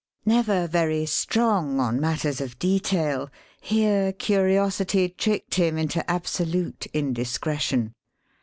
Never very strong on matters of detail, here curiosity tricked him into absolute indiscretion.